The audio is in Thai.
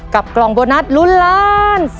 กับกรองโบนัสลุนล้าน